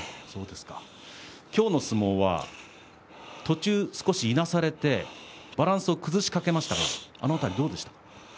今日の相撲は途中、少しいなされてバランスを崩しかけましたがあの辺りどうでしたか？